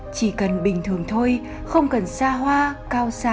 chỉ cần bình thường thôi không cần xa hoa cao xa